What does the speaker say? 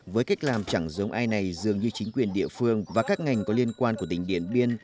với cách làm chẳng giống ai này dường như chính quyền địa phương và các ngành có liên quan của tỉnh điện biên